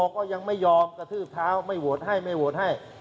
ก็ยังไม่ยอมกระทืบเท้าไม่โหวตให้ไม่โหวตให้